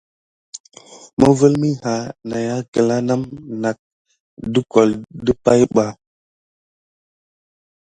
Məvel miha nayakela name nat de kole dipay ɓa.